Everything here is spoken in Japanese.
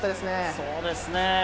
そうですね。